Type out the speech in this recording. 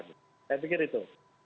saya pikir itu